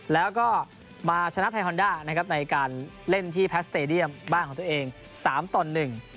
แล้วก็มาชนะไทยฮอนด้านะครับในการเล่นที่แพสเตดียมบ้านของตัวเองสามต่อหนึ่ง